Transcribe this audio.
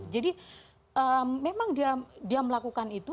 jadi memang dia melakukan itu